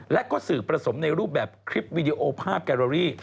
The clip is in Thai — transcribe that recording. และก็สื่อผสมในรูปแบบคลิปวีดีโอภาพแกโรรี่